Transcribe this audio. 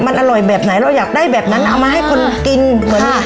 มันอร่อยแบบไหนเราอยากได้แบบนั้นเอามาให้คนกินเหมือน